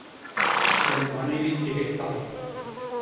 என் மனைவி திகைத்தார்.